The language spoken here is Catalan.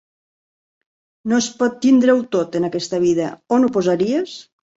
No es pot tindre-ho tot, en aquesta vida. On ho posaries?